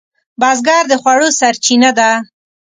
بزګر د خوړو سرچینه ده